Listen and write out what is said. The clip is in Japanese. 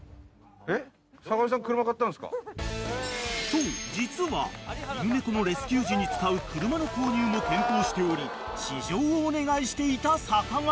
［そう実は犬猫のレスキュー時に使う車の購入も検討しており試乗をお願いしていた坂上］